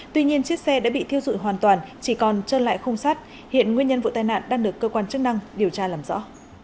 tuy nhiên chiếc xe đã bị thiêu dụi hoàn toàn chỉ còn trơn lại khung sắt hiện nguyên nhân vụ tai nạn đang được cơ quan chức năng điều tra làm rõ